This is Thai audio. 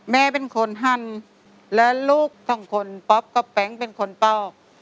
แม่เป็นคนฮันและลูก๒คนป๊อปกับแฟงเป็นคนปอก